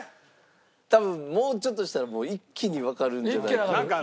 多分もうちょっとしたら一気にわかるんじゃないか。